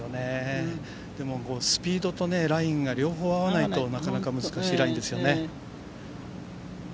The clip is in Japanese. でも、スピードとラインが両方合わないとなかなか難しいラインですよね。